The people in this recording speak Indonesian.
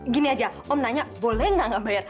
gini aja om nanya boleh nggak bayar